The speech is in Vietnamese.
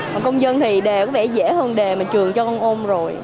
còn công dân thì đều có vẻ dễ hơn đề mà trường cho con ôm rồi